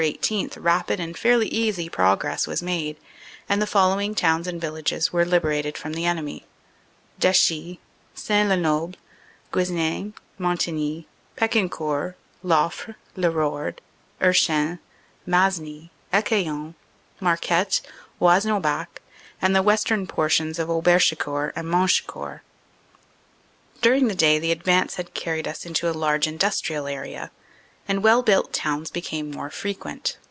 18 rapid and fairly easy progress was made, and the following towns and villages were liberated from the enemy: Dechy, Sin le Noble, Guesnain, Montigny, Pecquencourt, Loffre, Lewarde, Erchin, Masny, Ecaillon, Marquette, Wasnes au Bac and the western portions of Auberchicourt and Monchecourt. "During the day the advance had carried us into a large industrial area, and well built towns became more frequent.